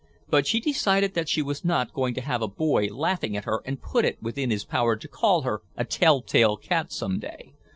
But she decided that she was not going to have a boy laughing at her and put it within his power to call her a tell tale cat some day.